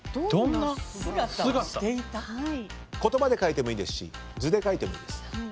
言葉で書いてもいいですし図で描いてもいいです。